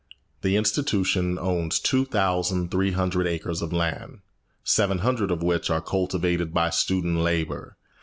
The institution owns two thousand three hundred acres of land, seven hundred of which are cultivated by student labor.